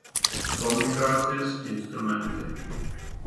Komunikācijas instrumenti.